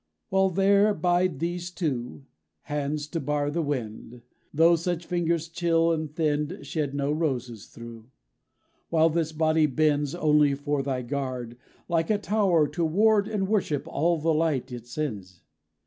While there bide these two Hands to bar the wind; Though such fingers chill and thinned, shed no roses through. While this body bends Only for thy guard; Like a tower, to ward and worship all the light it sends.